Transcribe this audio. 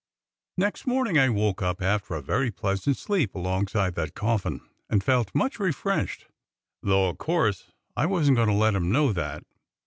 "Next morning I woke up after a very pleasant sleep alongside that coffin, and felt much refreshed, though o' course I wasn't goin' to let 'em know that.